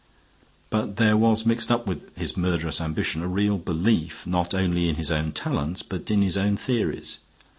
"But there was mixed up with his murderous ambition a real belief, not only in his own talents, but in his own theories.